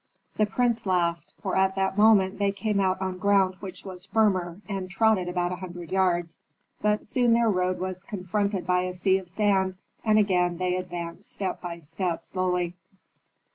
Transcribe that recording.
The prince laughed, for at that moment they came out on ground which was firmer, and trotted about a hundred yards. But soon their road was confronted by a sea of sand, and again they advanced step by step slowly.